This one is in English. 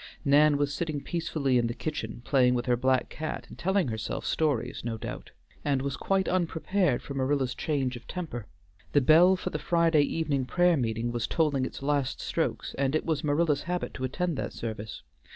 Nan was sitting peacefully in the kitchen playing with her black cat and telling herself stories no doubt, and was quite unprepared for Marilla's change of temper. The bell for the Friday evening prayer meeting was tolling its last strokes and it was Marilla's habit to attend that service.